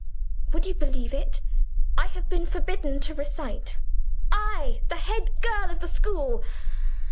"Would you believe it? I have been forbidden to recite I, the head girl of the school.